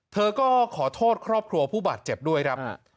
เธอก็ขอโทษครอบครัวผู้บาดเจ็บด้วยครับ